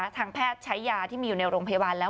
ทางแพทย์ใช้ยาที่มีอยู่ในโรงพยาบาลแล้ว